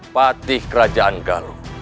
patih kerajaan galau